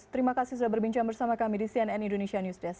terima kasih sudah berbincang bersama kami di cnn indonesia news desk